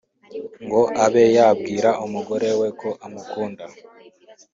ngo abe yabwira umugore we ko amukunda